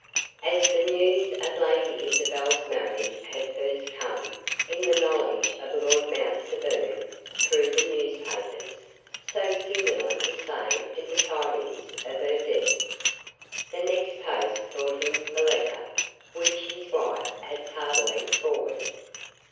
As the news of Lady Isabel's marriage had first come in the knowledge of Lord Mount Severn through the newspapers, so singular to say did the tidings of her death. The next post brought him the letter, which his wife had tardily forwarded.